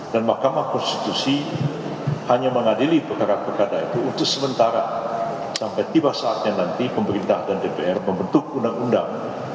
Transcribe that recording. dan mahkamah konstitusi hanya mengadili perkara perkara itu untuk sementara sampai tiba saatnya nanti pemerintah dan dpr membentuk undang undang